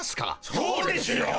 そうですよ！